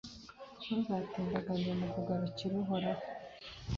Ntuzatindiganye mu kugarukira Uhoraho